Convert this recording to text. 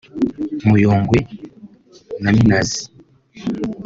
Muyongwe na Minazi